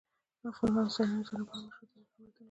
افغانستان د سیلانی ځایونه په اړه مشهور تاریخی روایتونه لري.